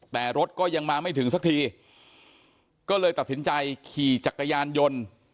แต่รถก็ยังมาไม่ถึงสักทีก็เลยตัดสินใจขี่จักรยานยนต์